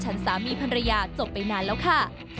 หันสามีพนเรียจบไปนานแล้วค่ะ